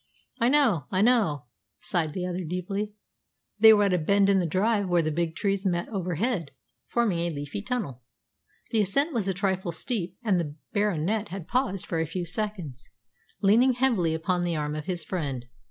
"I know, I know," sighed the other deeply. They were at a bend in the drive where the big trees met overhead, forming a leafy tunnel. The ascent was a trifle steep, and the Baronet had paused for a few seconds, leaning heavily upon the arm of his friend.